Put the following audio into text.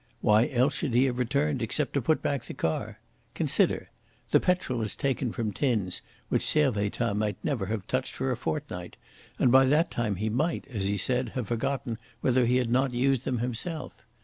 Why else should he have returned except to put back the car? Consider! The petrol is taken from tins which Servettaz might never have touched for a fortnight, and by that time he might, as he said, have forgotten whether he had not used them himself.